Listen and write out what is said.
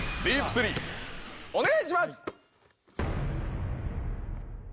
お願いします！